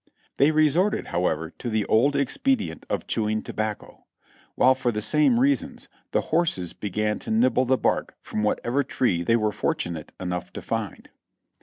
They resorted, however, to the old expedient of chewing tobacco; w hile for the same reasons the horses began to nibble the bark from whatever tree they were fortunate enough to find.